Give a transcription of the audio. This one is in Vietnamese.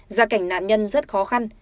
gia cảnh nạn nhân rất khó khăn